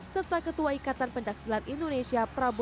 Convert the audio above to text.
serta ketua ikatan pencaksilat indonesia prabowo